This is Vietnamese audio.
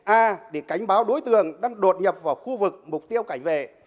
a để cánh báo đối tượng đang đột nhập vào khu vực mục tiêu cảnh về